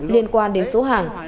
liên quan đến số hàng